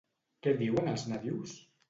Què diuen els nadius?